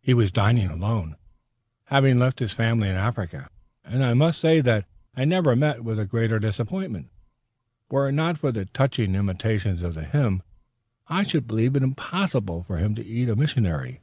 He was dining alone, having left his family in Africa, and I must say that I never met with a greater disappointment. Were it not for the touching intimation of the hymn, I should believe it impossible for him to eat a missionary.